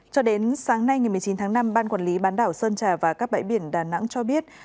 cho đến sáng nay ngày một mươi chín tháng năm ban quản lý bán đảo sơn trà và các bãi biển đà nẵng cho biết